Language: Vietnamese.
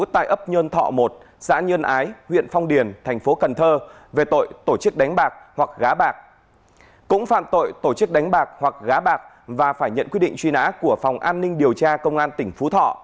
tiếp sau đây sẽ là những thông tin về truy nã của phòng an ninh điều tra công an tỉnh phú thọ